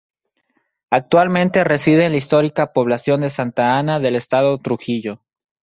Actualmente reside en la histórica población de Santa Ana del Estado Trujillo.